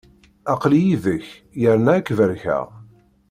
Aql-i yid-k, yerna ad k-barkeɣ.